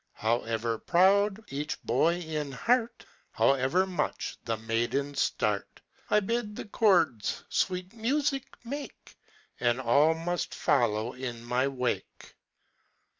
However proud each boy in heart, However much the maidens start, I bid the chords sweet music make, And all must follow in my wake.